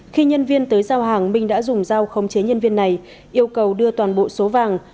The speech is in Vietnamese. khi nhân viên tới giao hàng minh đã dùng dao không chế nhân viên này yêu cầu đưa toàn bộ số vàng